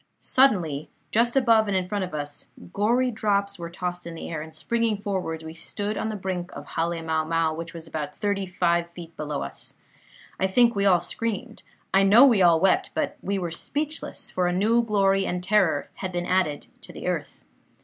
"Suddenly, just above and in front of us, gory drops were tossed in the air, and springing forwards, we stood on the brink of Hale mau mau, which was about thirty five feet below us. I think we all screamed. I know we all wept; but we were speechless, for a new glory and terror had been added to the earth.